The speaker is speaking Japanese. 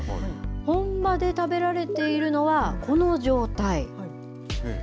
本場で食べられているのは、この状態。